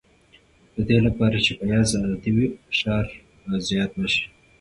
د دې لپاره چې بیان ازاد وي، فشار به زیات نه شي.